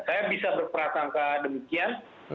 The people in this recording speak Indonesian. saya bisa berpratangka demikian